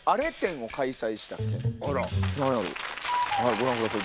ご覧ください